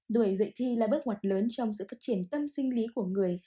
đuổi dạy thi là bước ngoặt lớn trong sự phát triển tâm sinh lý của người